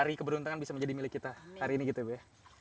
jadi keberuntungan bisa menjadi milik kita hari ini gitu ya bu ya